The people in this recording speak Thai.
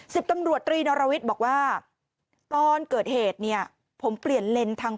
สิบตำรวจตรีนรวิทย์บอกว่าตอนเกิดเหตุเนี่ยผมเปลี่ยนเลนส์ทาง